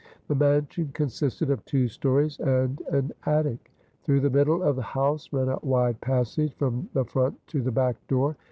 The mansion consisted of two stories and an attic. Through the middle of the house ran a wide passage from the front to the back door.